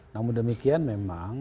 namun demikian memang